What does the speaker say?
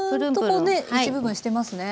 こうね一部分してますね。